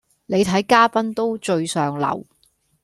你睇嘉賓都最上流